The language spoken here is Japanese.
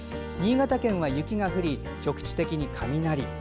新潟県は雪が降り、局地的に雷。